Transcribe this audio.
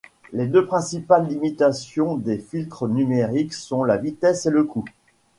Les deux principales limitations des filtres numériques sont la vitesse et le coût.